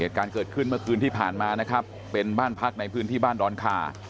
เหตุการณ์เกิดขึ้นเมื่อคืนที่ผ่านมานะครับเป็นบ้านพักในพื้นที่บ้านดอนคา